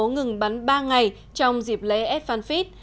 ngừng bắn ba ngày trong dịp lễ eftanfit